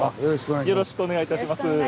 よろしくお願いします。